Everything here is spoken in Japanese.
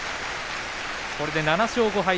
これで７勝５敗